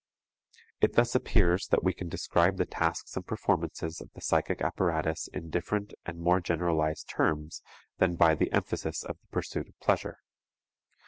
It thus appears that we can describe the tasks and performances of the psychic apparatus in different and more generalized terms than by the emphasis of the pursuit of pleasure.